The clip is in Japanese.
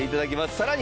さらに！